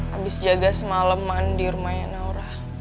habis jaga semalam mandi rumahnya naura